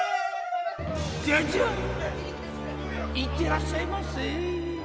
いってらっしゃいませ。